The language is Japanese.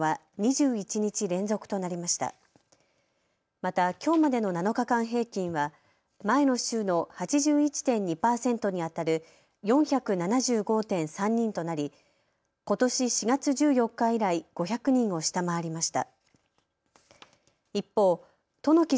また、きょうまでの７日間平均は前の週の８１．２％にあたる４７５．３人となりことし４月１４日以来、５００人を下回りました。